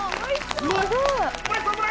すごい！